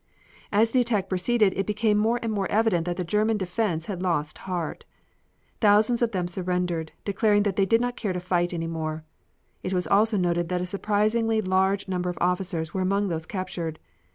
As the attack proceeded it became more and more evident that the German defense had lost heart. Thousands of them surrendered, declaring they did not care to fight any more. It was also noted that a surprisingly large number of officers were among those captured.